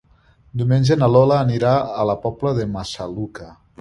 Diumenge na Lola anirà a la Pobla de Massaluca.